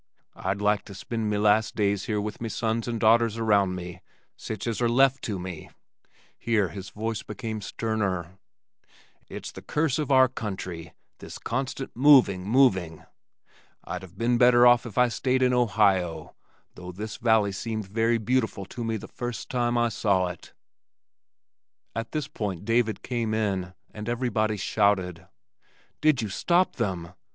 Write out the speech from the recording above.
"I'd like to spend me last days here with me sons and daughters around me, sich as are left to me," here his voice became sterner. "It's the curse of our country, this constant moving, moving. I'd have been better off had I stayed in Ohio, though this valley seemed very beautiful to me the first time I saw it." At this point David came in, and everybody shouted, "Did you stop them?"